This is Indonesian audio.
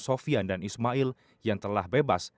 sofian dan ismail yang telah bebas